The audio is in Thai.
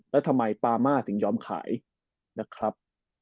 แล้วทำไมปามาถึงยอมขายนะครับ